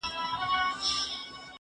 زه ونې ته اوبه نه ورکوم؟